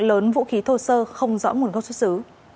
lớn vũ khí thô sơ không rõ nguồn gốc xuất xứ